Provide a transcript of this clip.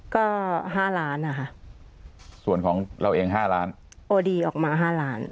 ก็ห้าล้านนะคะส่วนของเราเองห้าล้านโอดีออกมาห้าล้าน